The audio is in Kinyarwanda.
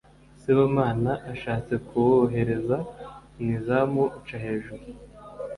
Sibomana ashatse kuwohereza mu izamu uca hejuru